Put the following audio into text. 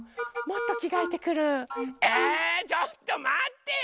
ちょっとまってよ！